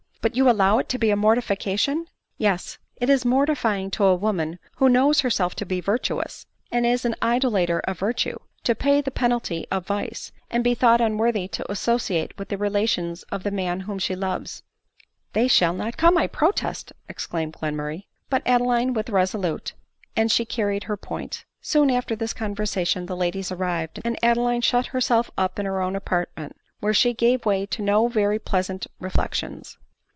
" But you allow it to be a mortification ?"" Yes ; it is mortifying to a woman who knows herself to be virtuous, and is an idolater of virtue, to pay the penalty of vice, and be thought unworthy to associate with the relations of the man whom she loves." ." They shall not come, I protest," exclaimed Glen murray. But Adeline was resolute ; and she carried her point. Soon after this conversation the ladies arrived, and Ade line shut herself up in her own apartment, where she gave way to no very pleasant reflections.